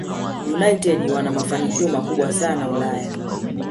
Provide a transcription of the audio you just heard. united wana mafanikio makubwa sana Ulaya